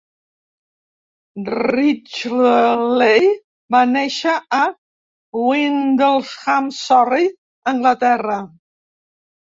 Ridgeley va néixer a Windlesham, Surrey, Anglaterra.